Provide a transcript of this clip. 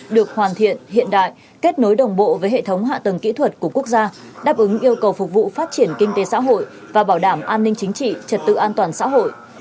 được hoàn thiện hiện đại kết nối đồng bộ với hệ thống hạ tầng kỹ thuật của quốc gia đáp ứng yêu cầu phục vụ phát triển kinh tế xã hội và bảo đảm an ninh chính trị trật tự an toàn xã hội